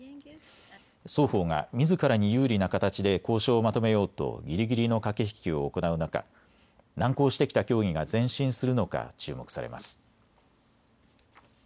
双方がみずからに有利な形で交渉をまとめようとぎりぎりの駆け引きを行う中、難航してきた協議が前進するのか注目されます。